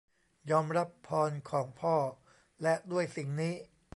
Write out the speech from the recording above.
ยอมรับพรของพ่อและด้วยสิ่งนี้